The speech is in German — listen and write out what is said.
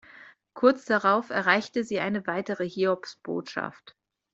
Kurz darauf erreichte sie eine weitere Hiobsbotschaft.